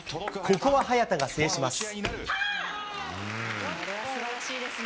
ここは早田が制します。